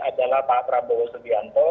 adalah pak prabowo subianto